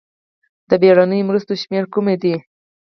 د بېړنیو مرستو شمېرې کومې دي؟